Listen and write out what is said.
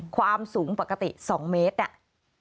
ความสูงปกติ๒เมตรอะ